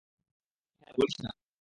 Hello বলিস না।